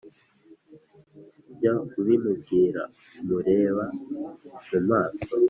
jya ubimubwira umureba mu maso